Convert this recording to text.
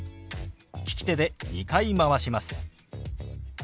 利き手で２回回します。